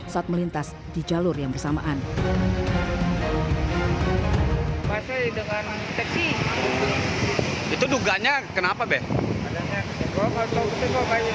saat melihat pengemudi yang berhenti berhenti berhenti